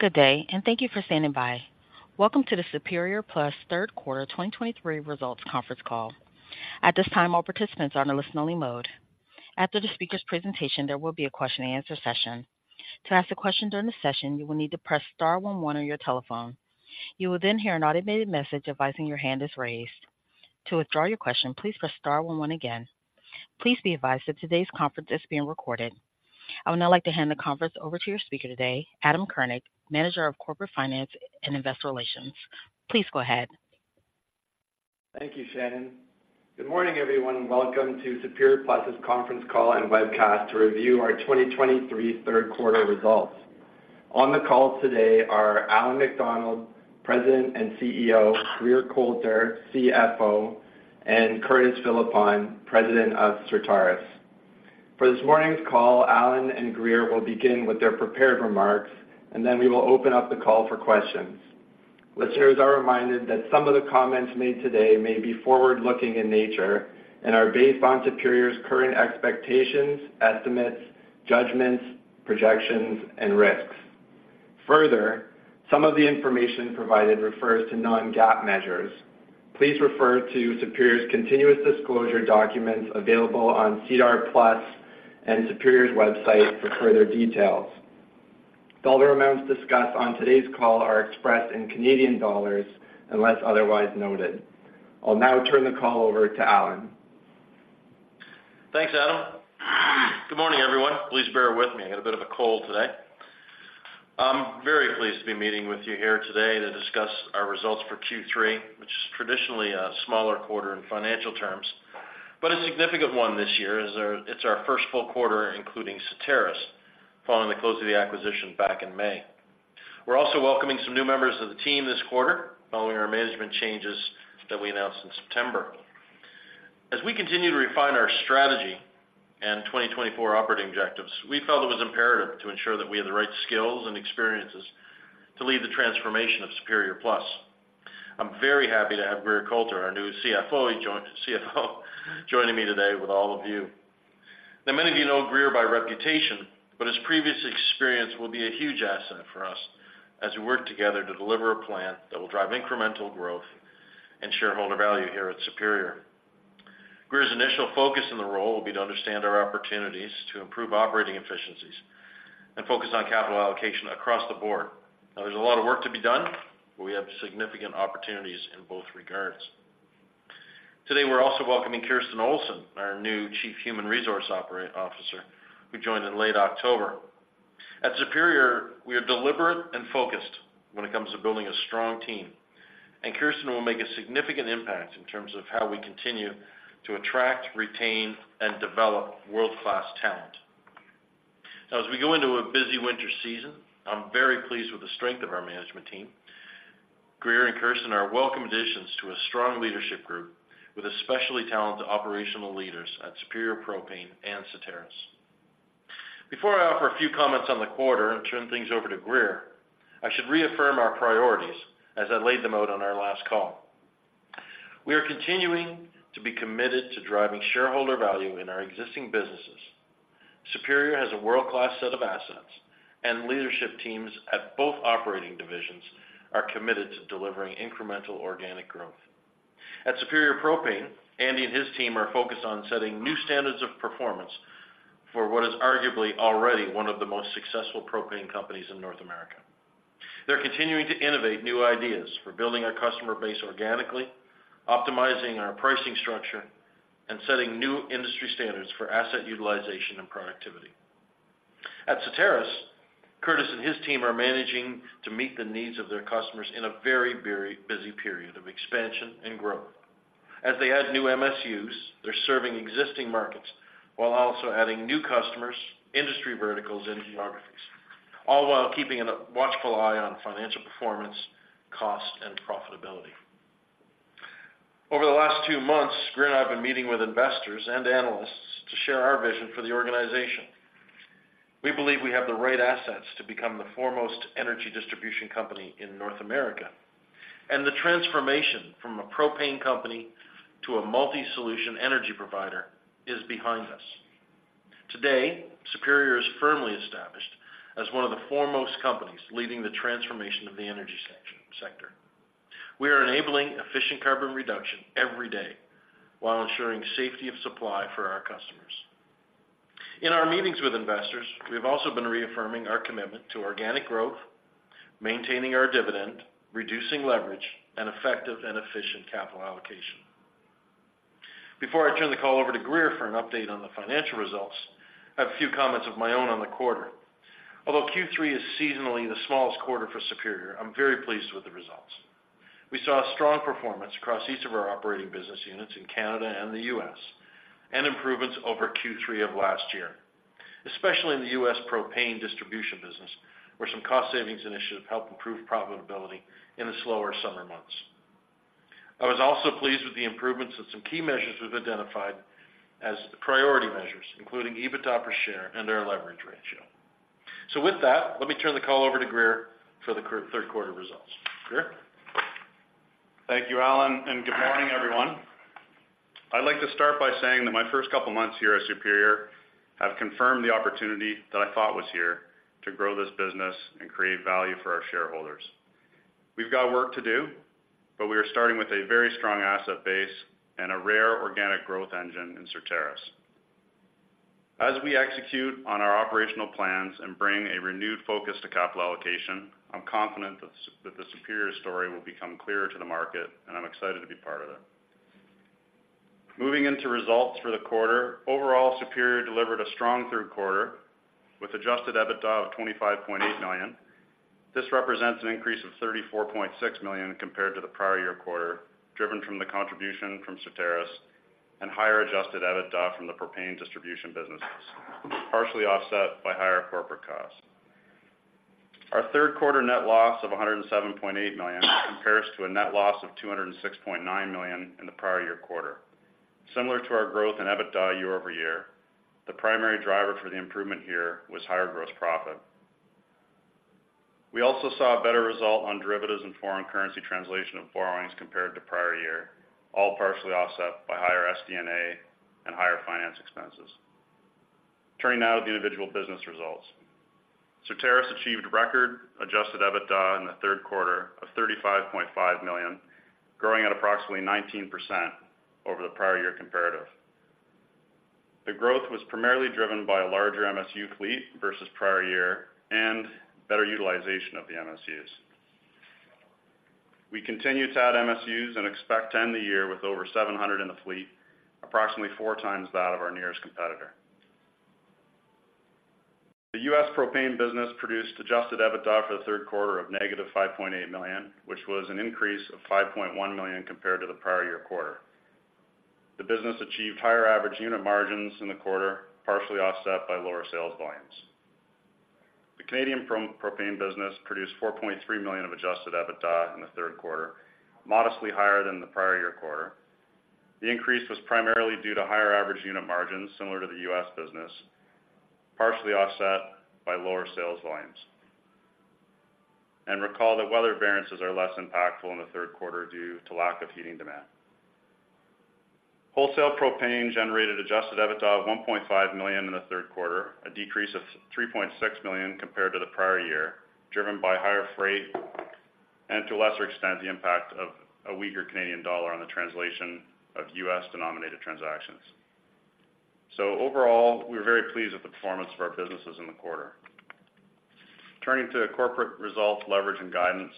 Good day, and thank you for standing by. Welcome to the Superior Plus third quarter 2023 results conference call. At this time, all participants are in a listen-only mode. After the speaker's presentation, there will be a question-and-answer session. To ask a question during the session, you will need to press star one one on your telephone. You will then hear an automated message advising your hand is raised. To withdraw your question, please press star one one again. Please be advised that today's conference is being recorded. I would now like to hand the conference over to your speaker today, Adam Kurnik, Manager of Corporate Finance and Investor Relations. Please go ahead. Thank you, Shannon. Good morning, everyone, and welcome to Superior Plus's conference call and webcast to review our 2023 third quarter results. On the call today are Allan MacDonald, President and CEO, Grier Colter, CFO, and Curtis Philippon, President of Certarus. For this morning's call, Allan and Grier will begin with their prepared remarks, and then we will open up the call for questions. Listeners are reminded that some of the comments made today may be forward-looking in nature and are based on Superior's current expectations, estimates, judgments, projections, and risks. Further, some of the information provided refers to non-GAAP measures. Please refer to Superior's continuous disclosure documents available on SEDAR+ and Superior's website for further details. Dollar amounts discussed on today's call are expressed in Canadian dollars, unless otherwise noted. I'll now turn the call over to Allan. Thanks, Adam. Good morning, everyone. Please bear with me. I got a bit of a cold today. I'm very pleased to be meeting with you here today to discuss our results for Q3, which is traditionally a smaller quarter in financial terms, but a significant one this year, as it's our first full quarter, including Certarus, following the close of the acquisition back in May. We're also welcoming some new members of the team this quarter, following our management changes that we announced in September. As we continue to refine our strategy and 2024 operating objectives, we felt it was imperative to ensure that we had the right skills and experiences to lead the transformation of Superior Plus. I'm very happy to have Grier Colter, our new CFO, joining me today with all of you. Now, many of you know Grier by reputation, but his previous experience will be a huge asset for us as we work together to deliver a plan that will drive incremental growth and shareholder value here at Superior. Grier's initial focus in the role will be to understand our opportunities to improve operating efficiencies and focus on capital allocation across the board. Now, there's a lot of work to be done, but we have significant opportunities in both regards. Today, we're also welcoming Kisten Olsen, our new Chief Human Resources Officer, who joined in late October. At Superior, we are deliberate and focused when it comes to building a strong team, and Kisten will make a significant impact in terms of how we continue to attract, retain, and develop world-class talent. Now, as we go into a busy winter season, I'm very pleased with the strength of our management team. Grier and Kisten are welcome additions to a strong leadership group with especially talented operational leaders at Superior Propane and Certarus. Before I offer a few comments on the quarter and turn things over to Grier, I should reaffirm our priorities as I laid them out on our last call. We are continuing to be committed to driving shareholder value in our existing businesses. Superior has a world-class set of assets, and leadership teams at both operating divisions are committed to delivering incremental organic growth. At Superior Propane, Andy and his team are focused on setting new standards of performance for what is arguably already one of the most successful propane companies in North America. They're continuing to innovate new ideas for building our customer base organically, optimizing our pricing structure, and setting new industry standards for asset utilization and productivity. At Certarus, Curtis and his team are managing to meet the needs of their customers in a very, very busy period of expansion and growth. As they add new MSUs, they're serving existing markets while also adding new customers, industry verticals, and geographies, all while keeping a watchful eye on financial performance, cost, and profitability. Over the last two months, Grier and I have been meeting with investors and analysts to share our vision for the organization. We believe we have the right assets to become the foremost energy distribution company in North America, and the transformation from a propane company to a multi-solution energy provider is behind us. Today, Superior is firmly established as one of the foremost companies leading the transformation of the energy sector. We are enabling efficient carbon reduction every day while ensuring safety of supply for our customers. In our meetings with investors, we have also been reaffirming our commitment to organic growth, maintaining our dividend, reducing leverage, and effective and efficient capital allocation. Before I turn the call over to Grier for an update on the financial results, I have a few comments of my own on the quarter. Although Q3 is seasonally the smallest quarter for Superior, I'm very pleased with the results. We saw a strong performance across each of our operating business units in Canada and the U.S., and improvements over Q3 of last year, especially in the U.S. propane distribution business, where some cost savings initiatives helped improve profitability in the slower summer months. I was also pleased with the improvements that some key measures we've identified as priority measures, including EBITDA per share and our leverage ratio. So with that, let me turn the call over to Grier for the third quarter results. Grier?... Thank you, Allan, and good morning, everyone. I'd like to start by saying that my first couple of months here at Superior have confirmed the opportunity that I thought was here to grow this business and create value for our shareholders. We've got work to do, but we are starting with a very strong asset base and a rare organic growth engine in Certarus. As we execute on our operational plans and bring a renewed focus to capital allocation, I'm confident that the Superior story will become clearer to the market, and I'm excited to be part of it. Moving into results for the quarter. Overall, Superior delivered a strong third quarter, with Adjusted EBITDA of 25.8 million. This represents an increase of 34.6 million compared to the prior year quarter, driven from the contribution from Certarus and higher adjusted EBITDA from the propane distribution businesses, partially offset by higher corporate costs. Our third quarter net loss of 107.8 million compares to a net loss of 206.9 million in the prior year quarter. Similar to our growth in EBITDA year-over-year, the primary driver for the improvement here was higher gross profit. We also saw a better result on derivatives and foreign currency translation of borrowings compared to prior year, all partially offset by higher SD&A and higher finance expenses. Turning now to the individual business results. Certarus achieved record adjusted EBITDA in the third quarter of 35.5 million, growing at approximately 19% over the prior year comparative. The growth was primarily driven by a larger MSU fleet versus prior year and better utilization of the MSUs. We continue to add MSUs and expect to end the year with over 700 in the fleet, approximately 4x that of our nearest competitor. The U.S. propane business produced Adjusted EBITDA for the third quarter of -5.8 million, which was an increase of 5.1 million compared to the prior year quarter. The business achieved higher average unit margins in the quarter, partially offset by lower sales volumes. The Canadian propane business produced 4.3 million of Adjusted EBITDA in the third quarter, modestly higher than the prior year quarter. The increase was primarily due to higher average unit margins, similar to the U.S. business, partially offset by lower sales volumes. Recall that weather variances are less impactful in the third quarter due to lack of heating demand. Wholesale propane generated Adjusted EBITDA of 1.5 million in the third quarter, a decrease of 3.6 million compared to the prior year, driven by higher freight and, to a lesser extent, the impact of a weaker Canadian dollar on the translation of U.S.-denominated transactions. So overall, we were very pleased with the performance of our businesses in the quarter. Turning to corporate results, leverage, and guidance.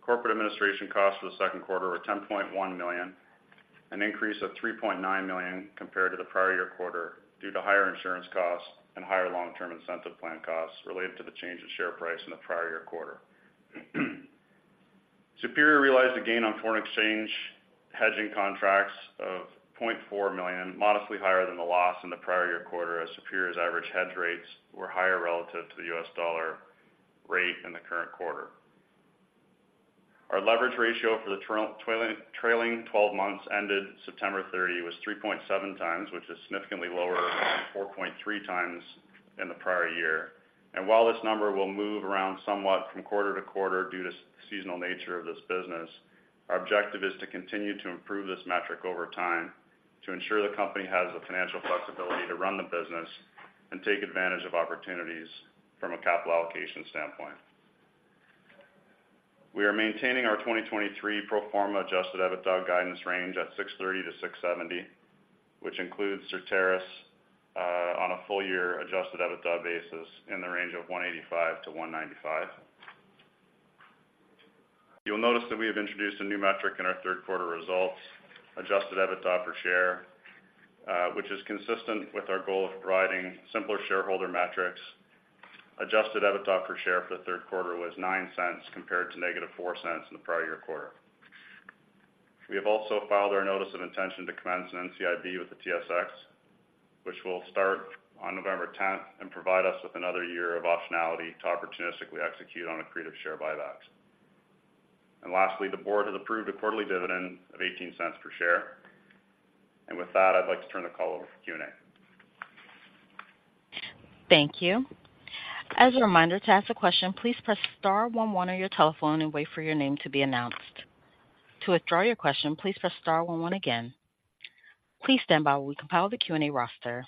Corporate administration costs for the second quarter were 10.1 million, an increase of 3.9 million compared to the prior year quarter due to higher insurance costs and higher long-term incentive plan costs related to the change in share price in the prior year quarter. Superior realized a gain on foreign exchange hedging contracts of 0.4 million, modestly higher than the loss in the prior year quarter, as Superior's average hedge rates were higher relative to the US dollar rate in the current quarter. Our leverage ratio for the trailing 12 months ended September 30, was 3.7x, which is significantly lower than 4.3x in the prior year. While this number will move around somewhat from quarter-to-quarter due to seasonal nature of this business, our objective is to continue to improve this metric over time, to ensure the company has the financial flexibility to run the business and take advantage of opportunities from a capital allocation standpoint. We are maintaining our 2023 pro forma adjusted EBITDA guidance range at 630-670, which includes Certarus on a full year adjusted EBITDA basis in the range of 185-195. You'll notice that we have introduced a new metric in our third quarter results, adjusted EBITDA per share, which is consistent with our goal of providing simpler shareholder metrics. Adjusted EBITDA per share for the third quarter was 0.09, compared to -0.04 in the prior-year quarter. We have also filed our notice of intention to commence an NCIB with the TSX, which will start on November 10th and provide us with another year of optionality to opportunistically execute on accretive share buybacks. Lastly, the board has approved a quarterly dividend of 0.18 per share. With that, I'd like to turn the call over for Q&A. Thank you. As a reminder, to ask a question, please press star one one on your telephone and wait for your name to be announced. To withdraw your question, please press star one one again. Please stand by while we compile the Q&A roster.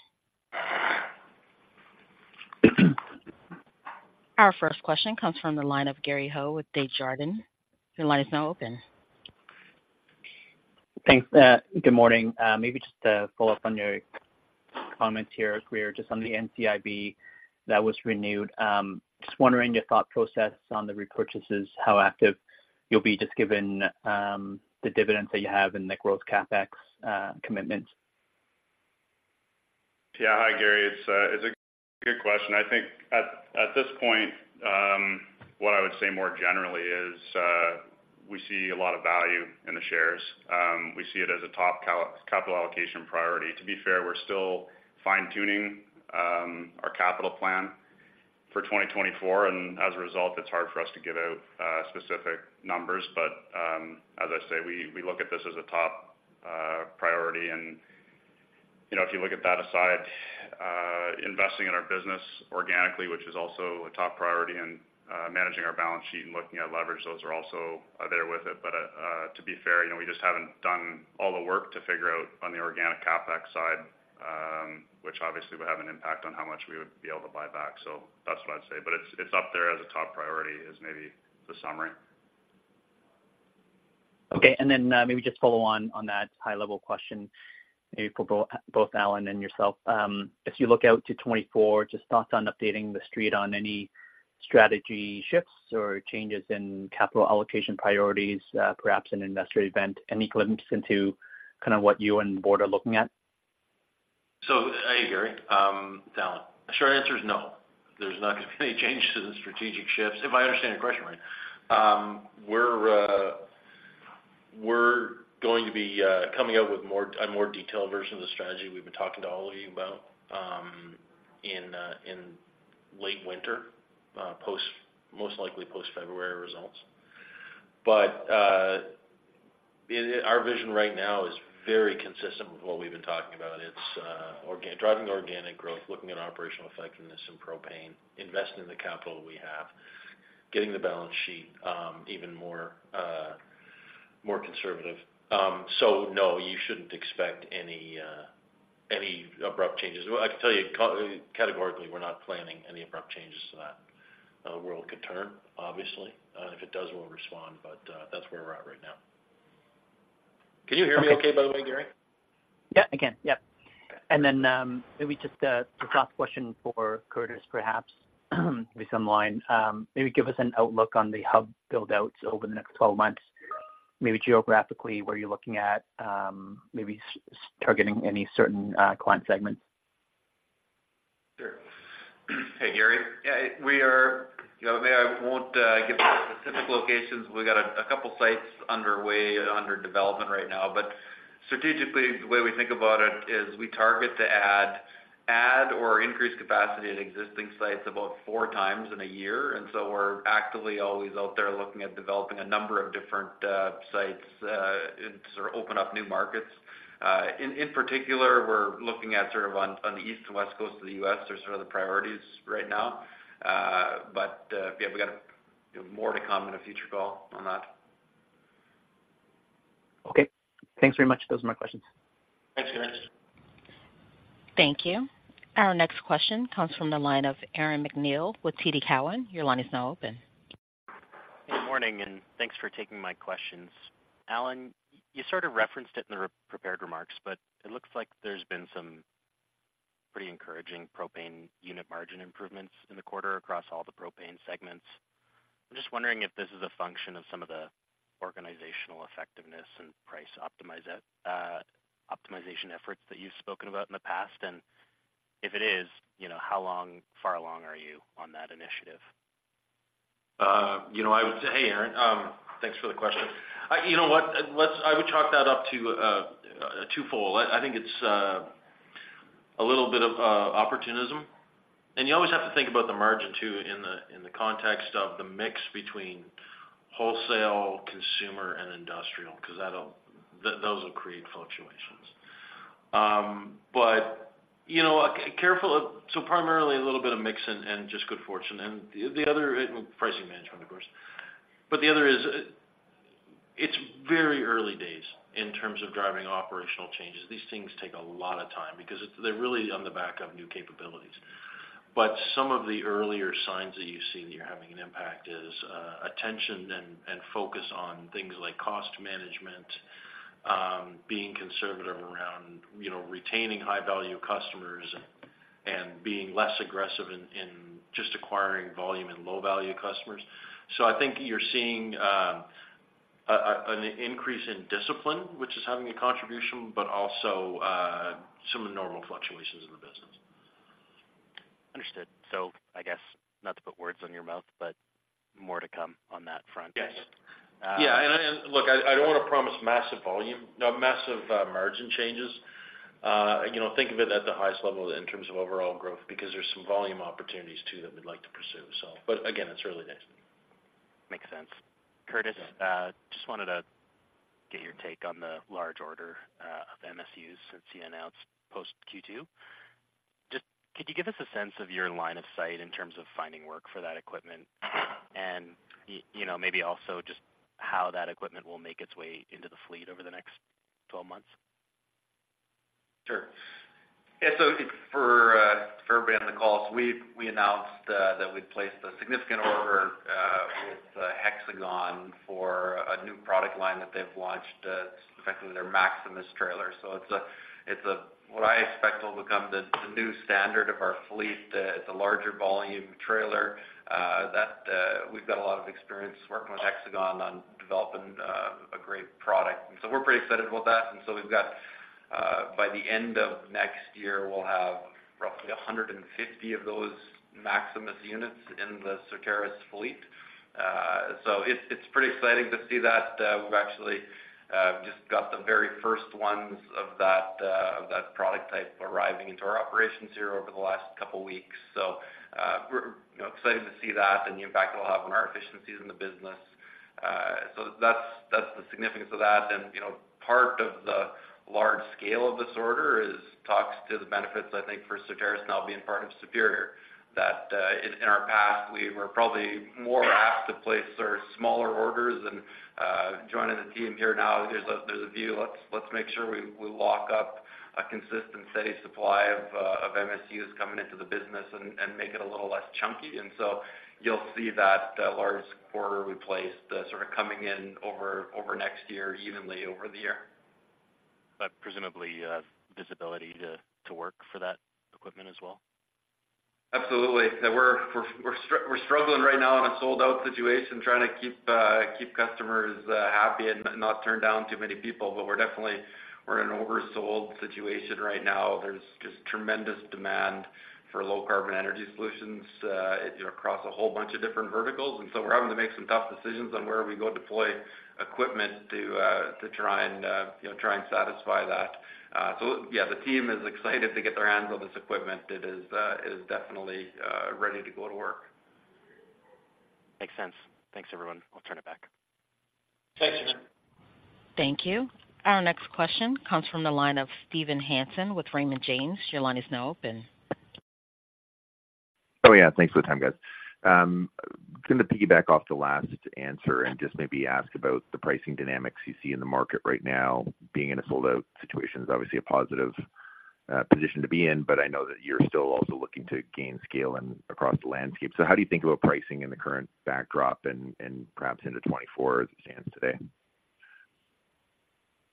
Our first question comes from the line of Gary Ho with Desjardins. Your line is now open. Thanks. Good morning. Maybe just to follow up on your comments here, we are just on the NCIB that was renewed. Just wondering your thought process on the repurchases, how active you'll be, just given the dividends that you have and the growth CapEx commitments. Yeah. Hi, Gary. It's a good question. I think at this point, what I would say more generally is, we see a lot of value in the shares. We see it as a top capital allocation priority. To be fair, we're still fine-tuning our capital plan for 2024, and as a result, it's hard for us to give out specific numbers. But, as I say, we look at this as a top-... you know, if you look at that aside, investing in our business organically, which is also a top priority, and, managing our balance sheet and looking at leverage, those are also, there with it. But, to be fair, you know, we just haven't done all the work to figure out on the organic CapEx side, which obviously would have an impact on how much we would be able to buy back. So that's what I'd say. But it's, it's up there as a top priority, is maybe the summary. Okay. And then, maybe just follow on, on that high-level question, maybe for both Alan and yourself. If you look out to 2024, just thoughts on updating the street on any strategy shifts or changes in capital allocation priorities, perhaps an investor event, any glimpse into kind of what you and the board are looking at? So, hey, Gary, it's Allan. Short answer is no. There's not gonna be any changes in the strategic shifts, if I understand the question right. We're going to be coming out with a more detailed version of the strategy we've been talking to all of you about, in late winter, most likely post-February results. But, our vision right now is very consistent with what we've been talking about. It's driving organic growth, looking at operational effectiveness in propane, investing in the capital we have, getting the balance sheet even more conservative. So no, you shouldn't expect any abrupt changes. Well, I can tell you, categorically, we're not planning any abrupt changes to that. World could turn, obviously. If it does, we'll respond, but that's where we're at right now. Can you hear me okay, by the way, Gary? Yeah, I can. Yep. Okay. Then, maybe just a soft question for Curtis, perhaps at least online. Maybe give us an outlook on the hub build-outs over the next 12 months. Maybe geographically, where you're looking at, maybe targeting any certain client segments. Sure. Hey, Gary. Yeah, we are, you know, maybe I won't give specific locations. We've got a couple sites underway and under development right now. But strategically, the way we think about it is we target to add or increase capacity at existing sites about four times in a year. And so we're actively always out there looking at developing a number of different sites and sort of open up new markets. In particular, we're looking at sort of on the East Coast and West Coast of the U.S. as sort of the priorities right now. But yeah, we got, you know, more to come in a future call on that. Okay. Thanks very much. Those are my questions. Thanks, Gary. Thank you. Our next question comes from the line of Aaron MacNeil with TD Cowen. Your line is now open. Good morning, and thanks for taking my questions. Allan, you sort of referenced it in the re-prepared remarks, but it looks like there's been some pretty encouraging propane unit margin improvements in the quarter across all the propane segments. I'm just wondering if this is a function of some of the organizational effectiveness and price optimization efforts that you've spoken about in the past. And if it is, you know, how far along are you on that initiative? You know, I would say... Hey, Aaron, thanks for the question. You know what? Let's- I would chalk that up to twofold. I think it's a little bit of opportunism. And you always have to think about the margin, too, in the context of the mix between wholesale, consumer, and industrial, because that'll, those will create fluctuations. But, you know, careful, so primarily a little bit of mix and just good fortune. And the other, pricing management, of course. But the other is, it's very early days in terms of driving operational changes. These things take a lot of time because it- they're really on the back of new capabilities. But some of the earlier signs that you've seen that you're having an impact is, attention and focus on things like cost management, being conservative around, you know, retaining high-value customers and being less aggressive in just acquiring volume and low-value customers. So I think you're seeing, an increase in discipline, which is having a contribution, but also, some of the normal fluctuations in the business. Understood. So I guess, not to put words in your mouth, but more to come on that front? Yes. Uh- Yeah, look, I don't want to promise massive volume, massive margin changes. You know, think of it at the highest level in terms of overall growth, because there's some volume opportunities, too, that we'd like to pursue, so. But again, it's early days. Makes sense. Curtis, Yeah. Just wanted to get your take on the large order of MSUs since you announced post Q2. Just, could you give us a sense of your line of sight in terms of finding work for that equipment? And, you know, maybe also just how that equipment will make its way into the fleet over the next 12 months. Sure. Yeah, so for everybody on the call, we announced that we'd placed a significant order with Hexagon for a new product line that they've launched, effectively, their Maximus Trailer. So it's a, it's a, what I expect will become the new standard of our fleet. It's a larger volume trailer that we've got a lot of experience working with Hexagon on developing a great product. And so we're pretty excited about that. And so we've got, by the end of next year, we'll have roughly 150 of those Maximus units in the Certarus fleet. So it's pretty exciting to see that. We've actually just got the very first ones of that product type arriving into our operations here over the last couple weeks. So, we're, you know, excited to see that and the impact it will have on our efficiencies in the business. So that's, that's the significance of that. And, you know, part of the large scale of this order is, talks to the benefits, I think, for Certarus now being part of Superior, that, in our past, we were probably more apt to place our smaller orders. And, joining the team here now, there's a view. Let's make sure we lock up a consistent, steady supply of MSUs coming into the business and make it a little less chunky. And so you'll see that large quarter we placed, sort of coming in over next year, evenly over the year. Presumably, you have visibility to work for that equipment as well? Absolutely. We're struggling right now in a sold-out situation, trying to keep customers happy and not turn down too many people. But we're definitely in an oversold situation right now. There's just tremendous demand for low-carbon energy solutions across a whole bunch of different verticals. And so we're having to make some tough decisions on where we go deploy equipment to, you know, try and satisfy that. So yeah, the team is excited to get their hands on this equipment. It is definitely ready to go to work. Makes sense. Thanks, everyone. I'll turn it back. Thanks. Thank you. Our next question comes from the line of Steven Hansen with Raymond James. Your line is now open. Oh, yeah. Thanks for the time, guys. Going to piggyback off the last answer and just maybe ask about the pricing dynamics you see in the market right now. Being in a sold-out situation is obviously a positive position to be in, but I know that you're still also looking to gain scale and across the landscape. So how do you think about pricing in the current backdrop and, and perhaps into 2024 as it stands today?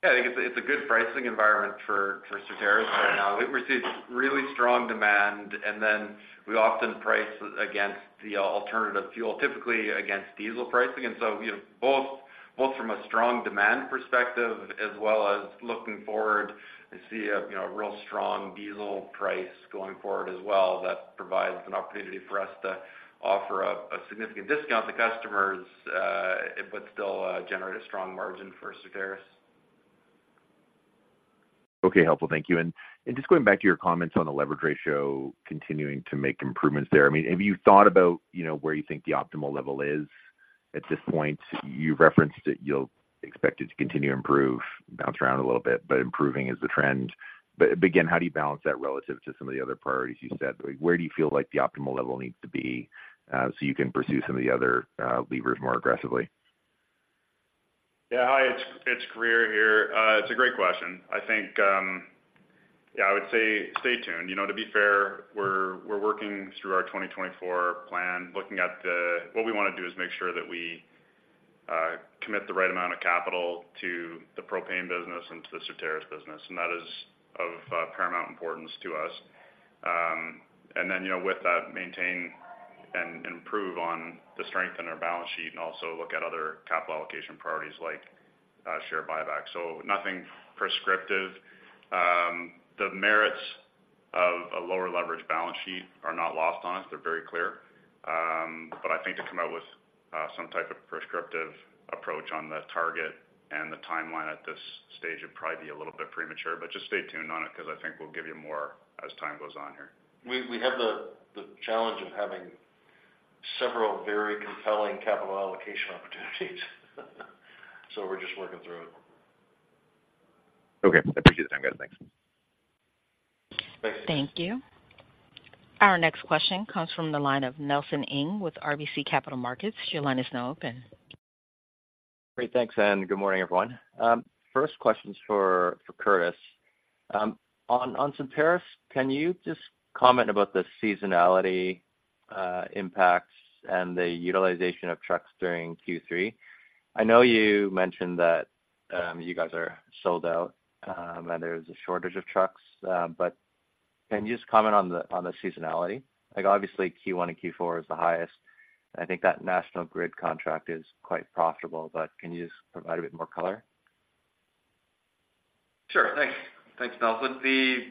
Yeah, I think it's a good pricing environment for Certarus right now. We've received really strong demand, and then we often price against the alternative fuel, typically against diesel pricing. And so, you know, both from a strong demand perspective, as well as looking forward to see a, you know, a real strong diesel price going forward as well, that provides an opportunity for us to offer up a significant discount to customers, but still generate a strong margin for Certarus. Okay, helpful. Thank you. And just going back to your comments on the leverage ratio, continuing to make improvements there. I mean, have you thought about, you know, where you think the optimal level is at this point? You referenced that you'll expect it to continue to improve, bounce around a little bit, but improving is the trend. But again, how do you balance that relative to some of the other priorities you said? Where do you feel like the optimal level needs to be, so you can pursue some of the other levers more aggressively? Yeah, hi, it's, it's Grier here. It's a great question. I think, yeah, I would say, stay tuned. You know, to be fair, we're, we're working through our 2024 plan, looking at what we want to do is make sure that we commit the right amount of capital to the propane business and to the Certarus business, and that is of paramount importance to us. And then, you know, with that, maintain and improve on the strength in our balance sheet and also look at other capital allocation priorities like share buyback. So nothing prescriptive. The merits of a lower leverage balance sheet are not lost on us. They're very clear. But I think to come out with some type of prescriptive approach on the target and the timeline at this stage would probably be a little bit premature, but just stay tuned on it because I think we'll give you more as time goes on here. We have the challenge of having several very compelling capital allocation opportunities. So we're just working through it. Okay. I appreciate the time, guys. Thanks. Thanks. Thank you. Our next question comes from the line of Nelson Ng with RBC Capital Markets. Your line is now open. Great. Thanks, and good morning, everyone. First question is for Curtis. On Certarus, can you just comment about the seasonality, impacts and the utilization of trucks during Q3? I know you mentioned that, you guys are sold out, and there's a shortage of trucks, but can you just comment on the seasonality? Like, obviously, Q1 and Q4 is the highest, and I think that National Grid contract is quite profitable, but can you just provide a bit more color? Sure. Thanks. Thanks, Nelson. You know,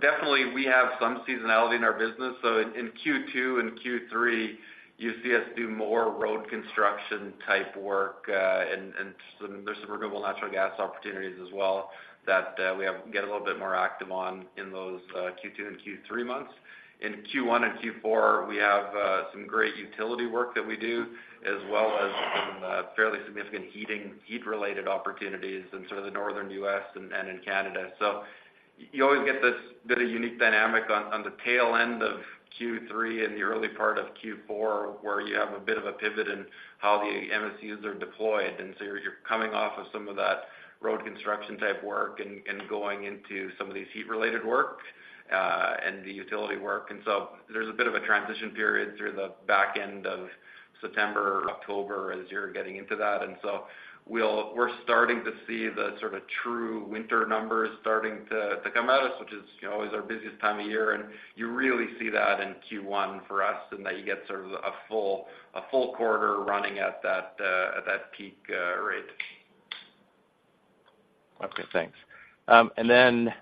definitely, we have some seasonality in our business. So in Q2 and Q3, you see us do more road construction-type work, and some—there's some renewable natural gas opportunities as well that we get a little bit more active on in those Q2 and Q3 months. In Q1 and Q4, we have some great utility work that we do, as well as some fairly significant heating, heat-related opportunities in sort of the northern US and in Canada. So you always get this bit of unique dynamic on the tail end of Q3 and the early part of Q4, where you have a bit of a pivot in how the MSUs are deployed. And so you're coming off of some of that road construction-type work and going into some of these heat-related work and the utility work. And so there's a bit of a transition period through the back end of September, October, as you're getting into that. And so we'll—we're starting to see the sort of true winter numbers starting to come at us, which is, you know, always our busiest time of year. And you really see that in Q1 for us, and that you get sort of a full quarter running at that peak rate. Okay, thanks. And then,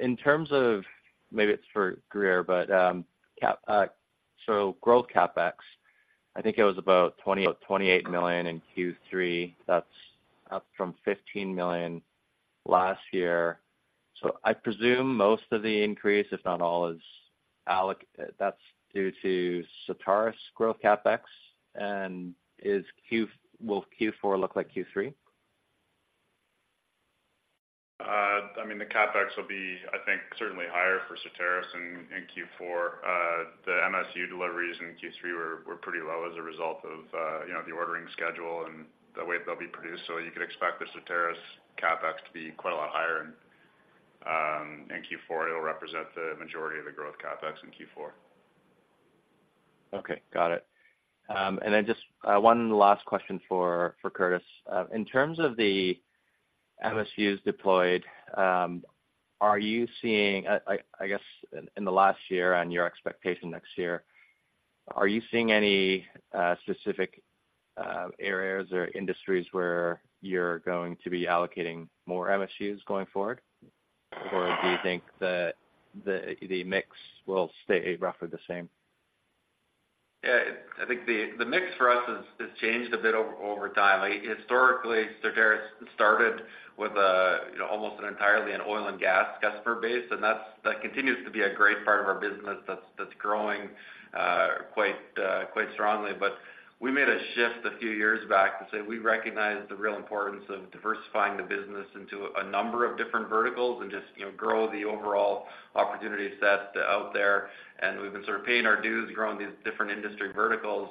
in terms of... Maybe it's for Grier, but, so growth CapEx, I think it was about 28 million in Q3. That's up from 15 million last year. So I presume most of the increase, if not all, that's due to Certarus's growth CapEx, and will Q4 look like Q3? I mean, the CapEx will be, I think, certainly higher for Certarus in, in Q4. The MSU deliveries in Q3 were, were pretty low as a result of, you know, the ordering schedule and the way they'll be produced. So you could expect the Certarus's CapEx to be quite a lot higher in, in Q4. It'll represent the majority of the growth CapEx in Q4. Okay, got it. And then just one last question for Curtis. In terms of the MSUs deployed, are you seeing, I guess, in the last year on your expectation next year, are you seeing any specific areas or industries where you're going to be allocating more MSUs going forward? Or do you think that the mix will stay roughly the same? Yeah, I think the mix for us has changed a bit over time. Historically, Certarus started with a, you know, almost entirely an oil and gas customer base, and that's that continues to be a great part of our business that's growing quite strongly. But we made a shift a few years back to say, we recognize the real importance of diversifying the business into a number of different verticals and just, you know, grow the overall opportunity set out there. And we've been sort of paying our dues, growing these different industry verticals.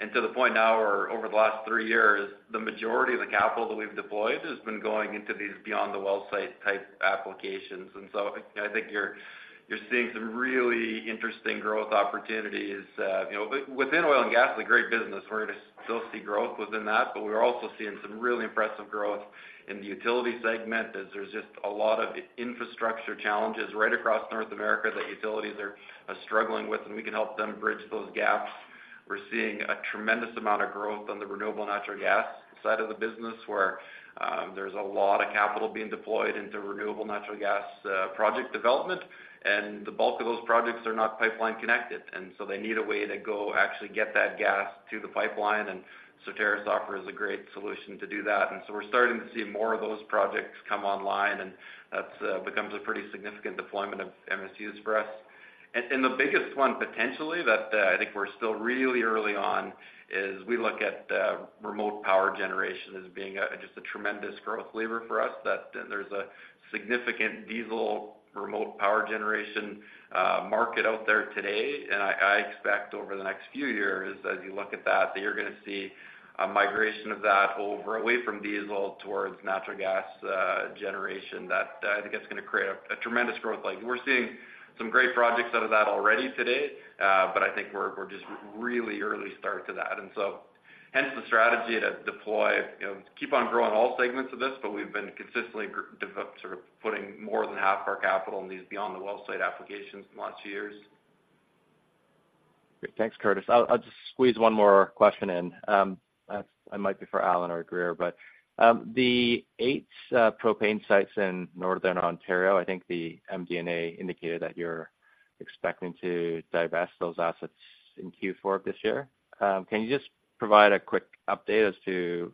And to the point now, where over the last three years, the majority of the capital that we've deployed has been going into these beyond the well site-type applications. And so I think you're seeing some really interesting growth opportunities. You know, within oil and gas, a great business, we're gonna still see growth within that, but we're also seeing some really impressive growth in the utility segment, as there's just a lot of infrastructure challenges right across North America that utilities are, are struggling with, and we can help them bridge those gaps. We're seeing a tremendous amount of growth on the renewable natural gas side of the business, where, there's a lot of capital being deployed into renewable natural gas, project development, and the bulk of those projects are not pipeline connected, and so they need a way to go actually get that gas to the pipeline, and Certarus offers a great solution to do that. And so we're starting to see more of those projects come online, and that's, becomes a pretty significant deployment of MSUs for us. The biggest one, potentially, that I think we're still really early on, is we look at remote power generation as being just a tremendous growth lever for us. That there's a significant diesel remote power generation market out there today. And I expect over the next few years, as you look at that, that you're gonna see a migration of that over, away from diesel towards natural gas generation. That I think it's gonna create a tremendous growth. Like, we're seeing some great projects out of that already today, but I think we're just really early start to that. So hence the strategy to deploy, you know, keep on growing all segments of this, but we've been consistently sort of putting more than half of our capital in these beyond the well site applications in the last years. Great. Thanks, Curtis. I'll, I'll just squeeze one more question in. It might be for Allan or Grier, but, the 8 propane sites in Northern Ontario, I think the MD&A indicated that you're expecting to divest those assets in Q4 of this year. Can you just provide a quick update as to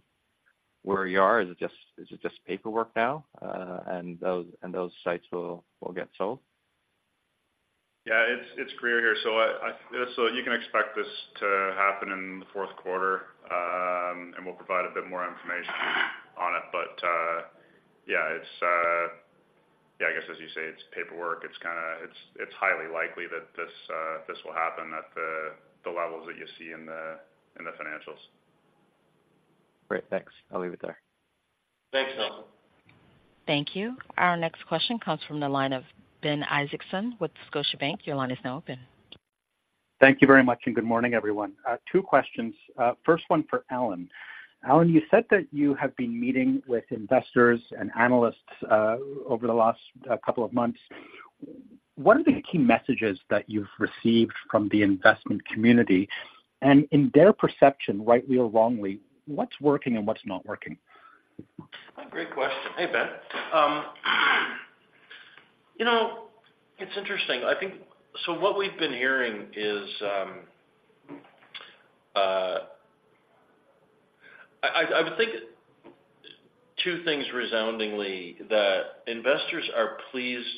where you are? Is it just, is it just paperwork now, and those, and those sites will, will get sold? Yeah, it's Grier here. So you can expect this to happen in the fourth quarter, and we'll provide a bit more information on it. But yeah, it's... Yeah, I guess as you say, it's paperwork. It's highly likely that this will happen at the levels that you see in the financials. Great, thanks. I'll leave it there. Thanks, Alan. Thank you. Our next question comes from the line of Ben Isaacson with Scotiabank. Your line is now open. Thank you very much, and good morning, everyone. Two questions. First one for Allan. Allan, you said that you have been meeting with investors and analysts over the last couple of months. What are the key messages that you've received from the investment community? And in their perception, rightly or wrongly, what's working and what's not working? Great question. Hey, Ben. You know, it's interesting. I think, so what we've been hearing is, I would think two things resoundingly, that investors are pleased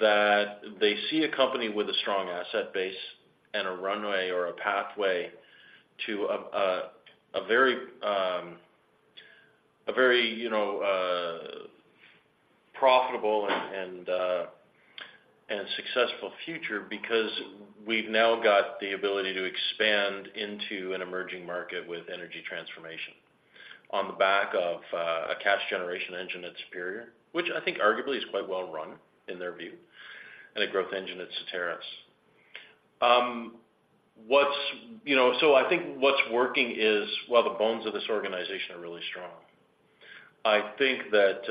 that they see a company with a strong asset base and a runway or a pathway to a very, you know, profitable and a successful future. Because we've now got the ability to expand into an emerging market with energy transformation on the back of a cash generation engine at Superior, which I think arguably is quite well run in their view, and a growth engine at Certarus. You know, so I think what's working is, well, the bones of this organization are really strong. I think that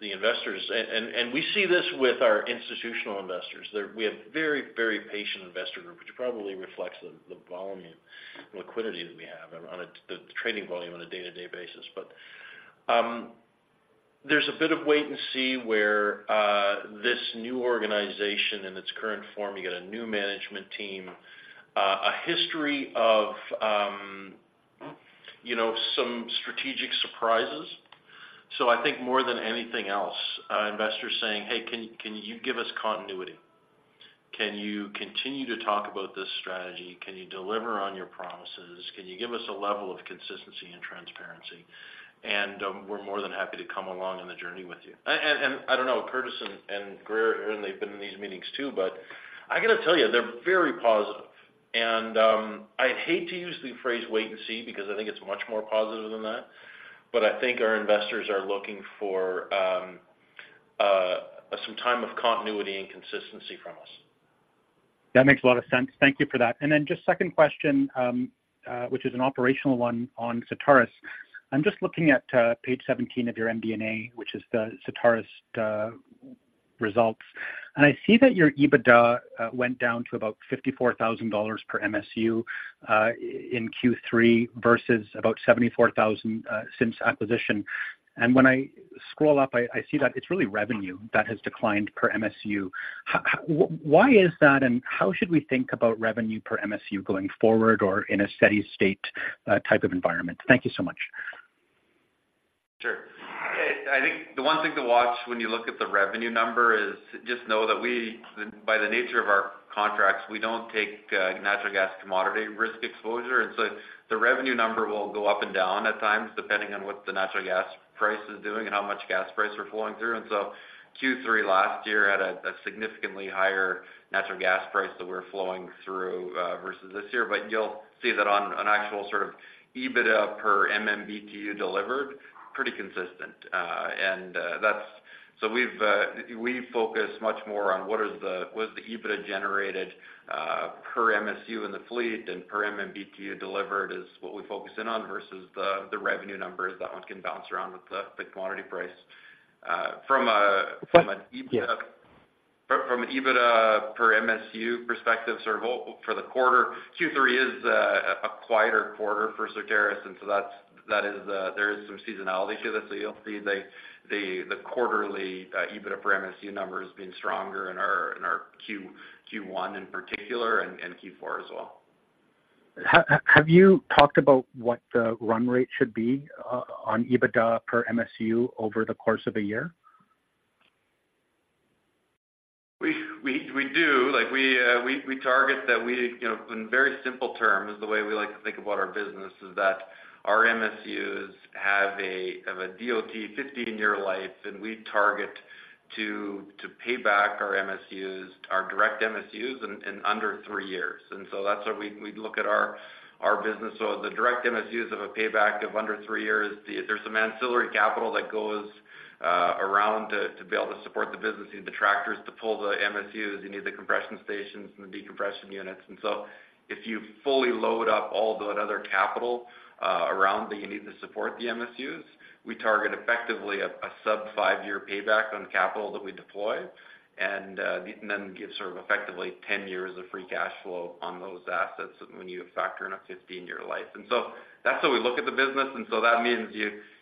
the investors, and we see this with our institutional investors, we have very, very patient investor group, which probably reflects the volume and liquidity that we have on the trading volume on a day-to-day basis. But there's a bit of wait and see where this new organization in its current form, you get a new management team, a history of you know some strategic surprises. So I think more than anything else, investors saying, "Hey, can you give us continuity? Can you continue to talk about this strategy? Can you deliver on your promises? Can you give us a level of consistency and transparency? We're more than happy to come along on the journey with you." And I don't know, Curtis and Grier, and they've been in these meetings, too, but I gotta tell you, they're very positive. I'd hate to use the phrase wait and see, because I think it's much more positive than that. But I think our investors are looking for some time of continuity and consistency from us. That makes a lot of sense. Thank you for that. Then just second question, which is an operational one on Certarus. I'm just looking at page 17 of your MD&A, which is the Certarus results. And I see that your EBITDA went down to about 54,000 dollars per MSU in Q3 versus about 74,000 since acquisition. And when I scroll up, I see that it's really revenue that has declined per MSU. Why is that, and how should we think about revenue per MSU going forward or in a steady state type of environment? Thank you so much. Sure. I, I think the one thing to watch when you look at the revenue number is just know that we, by the nature of our contracts, we don't take natural gas commodity risk exposure. And so the revenue number will go up and down at times, depending on what the natural gas price is doing and how much gas prices are flowing through. And so Q3 last year had a, a significantly higher natural gas price than we're flowing through versus this year. But you'll see that on an actual sort of EBITDA per MMBtu delivered, pretty consistent. And that's. So we've we focus much more on what is the, what is the EBITDA generated per MSU in the fleet and per MMBtu delivered is what we focus in on versus the, the revenue numbers. That one can bounce around with the commodity price. From an EBITDA- Yeah. From EBITDA per MSU perspective, sort of off for the quarter, Q3 is a quieter quarter for Certarus, and so that's, that is the, there is some seasonality to this. So you'll see the quarterly EBITDA per MSU numbers being stronger in our Q1 in particular, and Q4 as well. Have you talked about what the run rate should be, on EBITDA per MSU over the course of a year? We do. Like, we target that we, you know, in very simple terms, the way we like to think about our business is that our MSUs have a DOT 15-year life, and we target to pay back our MSUs, our direct MSUs, in under three years. And so that's how we look at our business. So the direct MSUs have a payback of under three years. There's some ancillary capital that goes around to be able to support the business. You need the tractors to pull the MSUs, you need the compression stations and the decompression units. And so if you fully load up all that other capital around that you need to support the MSUs, we target effectively a sub five-year payback on the capital that we deploy, and then give sort of effectively 10 years of free cash flow on those assets when you factor in a 15-year life. And so that's how we look at the business, and so that means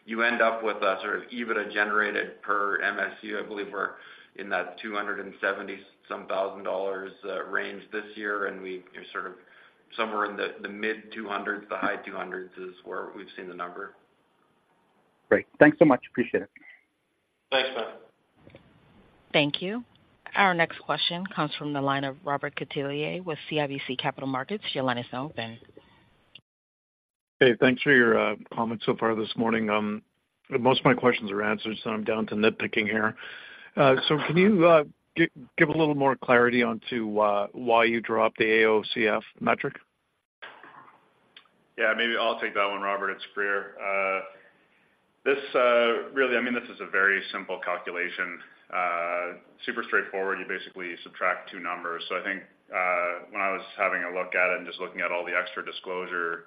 you end up with a sort of EBITDA generated per MSU. I believe we're in that 270,000 dollars range this year, and we sort of somewhere in the mid-200s, the high 200s is where we've seen the number. Great. Thanks so much. Appreciate it. Thanks, Ben. Thank you. Our next question comes from the line of Robert Catellier with CIBC Capital Markets. Your line is open. Hey, thanks for your comments so far this morning. Most of my questions are answered, so I'm down to nitpicking here. So can you give a little more clarity onto why you dropped the AOCF metric? Yeah, maybe I'll take that one, Robert, it's Grier. This really, I mean, this is a very simple calculation, super straightforward. You basically subtract two numbers. So I think, when I was having a look at it and just looking at all the extra disclosure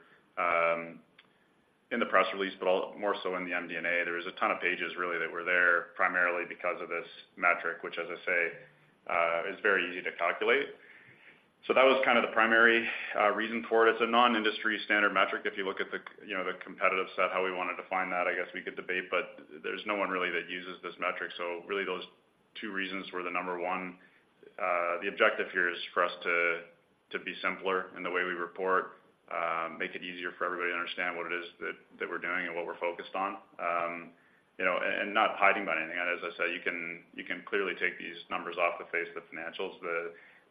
in the press release, but all—more so in the MD&A, there was a ton of pages really, that were there primarily because of this metric, which, as I say, is very easy to calculate. So that was kind of the primary reason for it. It's a non-industry standard metric. If you look at the, you know, the competitive set, how we want to define that, I guess we could debate, but there's no one really that uses this metric. So really, those two reasons were the number one. The objective here is for us to be simpler in the way we report, make it easier for everybody to understand what it is that we're doing and what we're focused on. You know, and not hiding by anything. And as I say, you can clearly take these numbers off the face of the financials.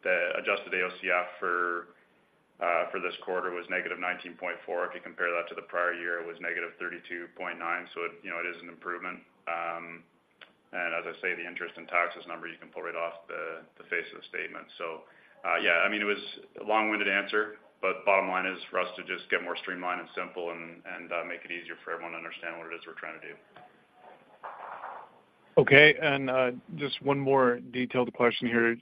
The Adjusted AOCF for this quarter was negative 19.4. If you compare that to the prior year, it was negative 32.9. So, you know, it is an improvement. And as I say, the interest and taxes number, you can pull right off the face of the statement. So, yeah, I mean, it was a long-winded answer, but bottom line is for us to just get more streamlined and simple and make it easier for everyone to understand what it is we're trying to do. Okay, and, just one more detailed question here.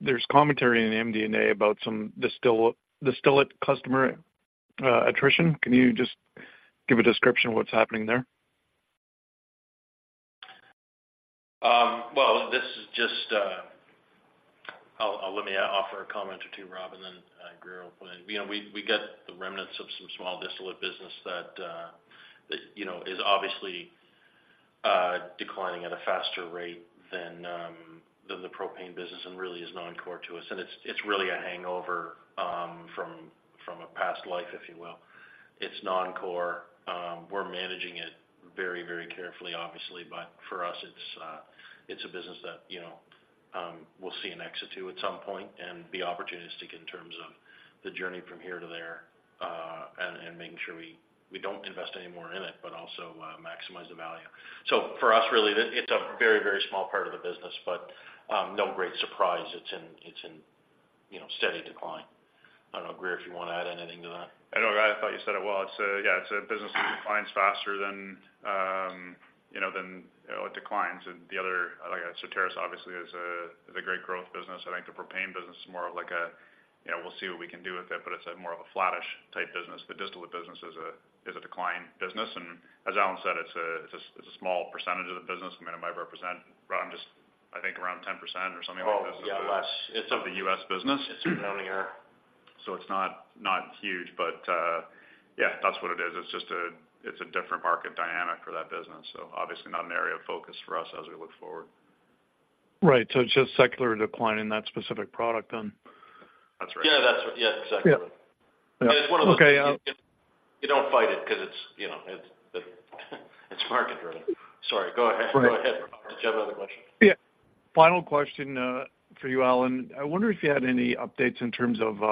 There's commentary in the MD&A about some distillate customer attrition. Can you just give a description of what's happening there? Well, this is just, ... Oh, let me offer a comment or two, Rob, and then Grier will. You know, we get the remnants of some small distillate business that you know is obviously declining at a faster rate than the propane business and really is non-core to us. And it's really a hangover from a past life, if you will. It's non-core. We're managing it very carefully, obviously, but for us, it's a business that you know we'll see an exit to at some point and be opportunistic in terms of the journey from here to there and making sure we don't invest any more in it, but also maximize the value. So for us, really, it's a very small part of the business, but no great surprise. It's in, it's in, you know, steady decline. I don't know, Grier, if you wanna add anything to that? I know, I thought you said it well. It's, yeah, it's a business that declines faster than, you know, than it declines. And the other, like, so Certarus obviously is a great growth business. I think the propane business is more of like a, you know, we'll see what we can do with it, but it's more of a flattish type business. The distillate business is a decline business, and as Allan said, it's a small percentage of the business. I mean, it might represent around just, I think, around 10% or something like that. Well, yeah, less. It's of the U.S. business. It's around there. So it's not huge, but yeah, that's what it is. It's just a, it's a different market dynamic for that business. So obviously not an area of focus for us as we look forward. Right. So it's just secular decline in that specific product then? That's right. Yeah, that's what. Yeah, exactly. Yeah. It's one of those- Okay, um- You don't fight it 'cause it's, you know, it's market-driven. Sorry, go ahead. Right. Go ahead. Did you have another question? Yeah. Final question for you, Allan. I wonder if you had any updates in terms of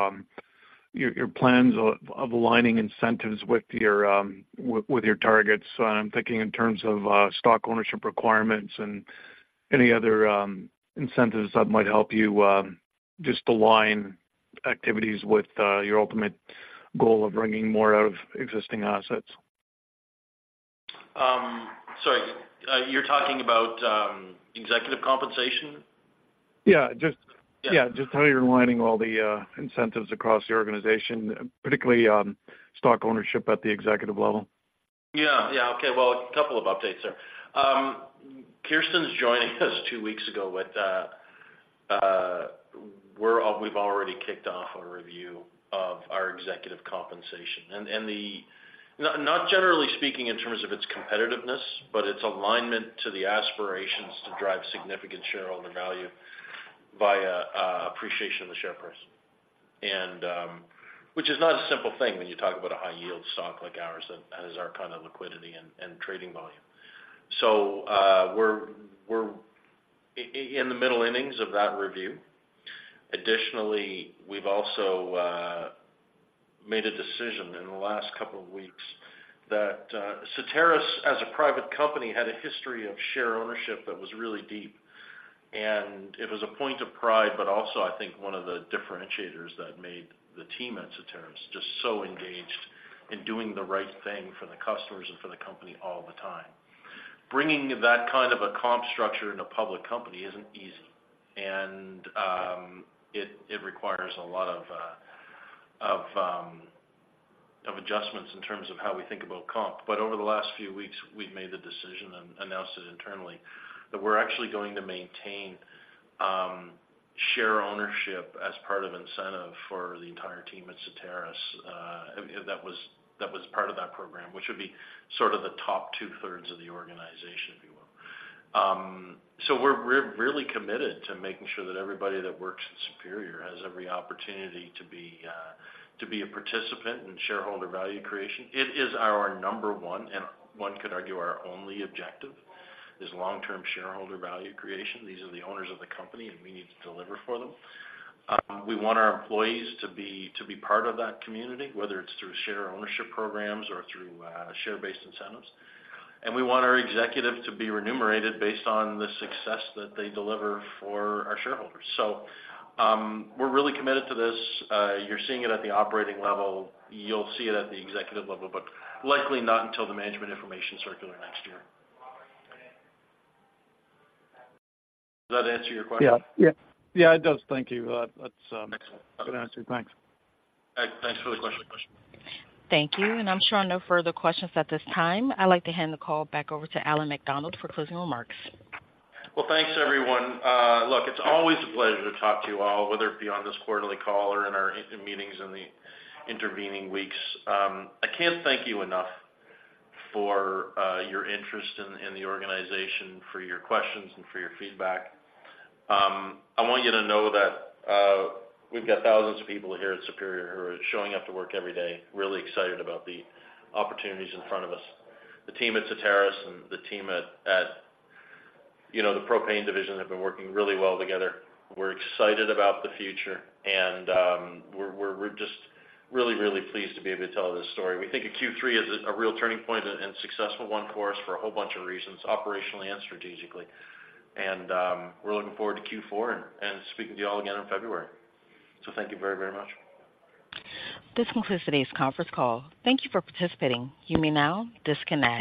your plans of aligning incentives with your targets. I'm thinking in terms of stock ownership requirements and any other incentives that might help you just align activities with your ultimate goal of wringing more out of existing assets. Sorry, you're talking about executive compensation? Yeah, just- Yeah. Yeah, just how you're aligning all the incentives across the organization, particularly stock ownership at the executive level. Yeah, yeah. Okay, well, a couple of updates there. Kisten's joining us two weeks ago, but we've already kicked off a review of our executive compensation. And the not generally speaking in terms of its competitiveness, but its alignment to the aspirations to drive significant shareholder value via appreciation of the share price. And which is not a simple thing when you talk about a high yield stock like ours, that has our kind of liquidity and trading volume. So we're in the middle innings of that review. Additionally, we've also made a decision in the last couple of weeks that Certarus, as a private company, had a history of share ownership that was really deep. It was a point of pride, but also, I think, one of the differentiators that made the team at Certarus just so engaged in doing the right thing for the customers and for the company all the time. Bringing that kind of a comp structure in a public company isn't easy, and it requires a lot of adjustments in terms of how we think about comp. But over the last few weeks, we've made the decision and announced it internally, that we're actually going to maintain share ownership as part of incentive for the entire team at Certarus. That was part of that program, which would be sort of the top two-thirds of the organization, if you will. So we're really committed to making sure that everybody that works at Superior has every opportunity to be a participant in shareholder value creation. It is our number one, and one could argue, our only objective, is long-term shareholder value creation. These are the owners of the company, and we need to deliver for them. We want our employees to be part of that community, whether it's through share ownership programs or through share-based incentives. And we want our executive to be remunerated based on the success that they deliver for our shareholders. So, we're really committed to this. You're seeing it at the operating level. You'll see it at the executive level, but likely not until the management information circular next year. Does that answer your question? Yeah. Yeah. Yeah, it does. Thank you. That's, Excellent. Good answer. Thanks. Thanks for the question. Thank you. I'm sure no further questions at this time. I'd like to hand the call back over to Allan MacDonald for closing remarks. Well, thanks, everyone. Look, it's always a pleasure to talk to you all, whether it be on this quarterly call or in our meetings in the intervening weeks. I can't thank you enough for your interest in the organization, for your questions, and for your feedback. I want you to know that we've got thousands of people here at Superior who are showing up to work every day, really excited about the opportunities in front of us. The team at Certarus and the team at, you know, the propane division, have been working really well together. We're excited about the future, and we're just really, really pleased to be able to tell this story. We think Q3 is a real turning point and successful one for us for a whole bunch of reasons, operationally and strategically. We're looking forward to Q4 and speaking to you all again in February. So thank you very, very much. This concludes today's conference call. Thank you for participating. You may now disconnect.